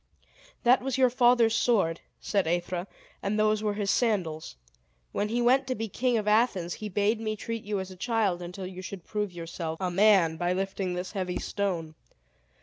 "That was your father's sword," said Aethra, "and those were his sandals. When he went to be king of Athens, he bade me treat you as a child until you should prove yourself a man by lifting this heavy stone.